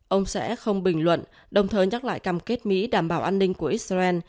ông sẽ không bình luận đồng thời nhắc lại cam kết mỹ đảm bảo an ninh của israel